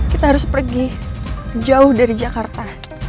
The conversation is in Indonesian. kita harus pergi jauh dari jakarta